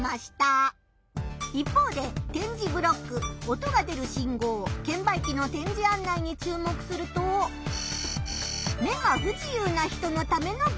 一方で点字ブロック音が出る信号券売機の点字案内に注目すると目が不自由な人のためのバリアフリーです。